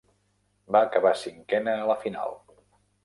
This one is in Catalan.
Va acabar cinquena a la final.